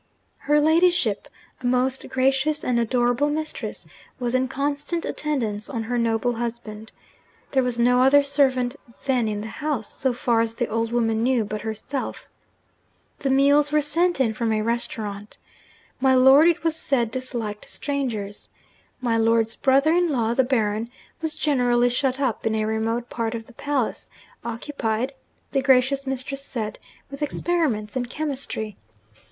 Her ladyship, 'a most gracious and adorable mistress,' was in constant attendance on her noble husband. There was no other servant then in the house (so far as the old woman knew) but herself. The meals were sent in from a restaurant. My lord, it was said, disliked strangers. My lord's brother in law, the Baron, was generally shut up in a remote part of the palace, occupied (the gracious mistress said) with experiments in chemistry.